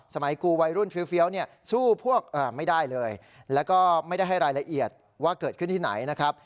กูวัยรุ่นเฟี้ยวเนี่ยสู้พวกไม่ได้เลยแล้วก็ไม่ได้ให้รายละเอียดว่าเกิดขึ้นที่ไหนนะครับ